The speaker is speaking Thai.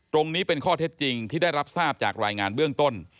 ตรงนี้เป็นข้อเท็จจริงที่ได้รับทราบจากรายงานเบื้องต้น